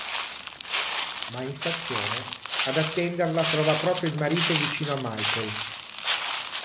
Ma in stazione, ad attenderla trova proprio il marito vicino a Michael.